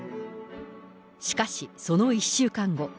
しかし、その１週間後。